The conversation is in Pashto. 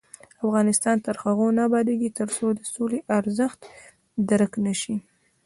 افغانستان تر هغو نه ابادیږي، ترڅو د سولې ارزښت درک نشي.